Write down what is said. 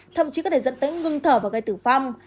thậm chí có thể dẫn tới ngưng thở và gây tử vong